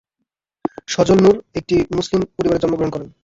সজল নুর একটি মুসলিম পরিবারে জন্মগ্রহণ করেন।